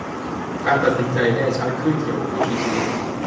การตัดสินใจแน่ชัดขึ้นเกี่ยวกับวิถีชีวิต